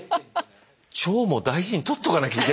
腸も大事に取っとかなきゃいけない。